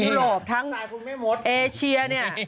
ทั้งยุโรปทั้งอาชียะเนี่ย